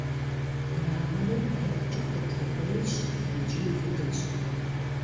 Мраморыр икъукӀэ къутэгъуейщ икӀи быдэщ.